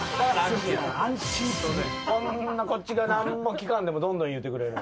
こっちが何も聞かんでもどんどん言うてくれる。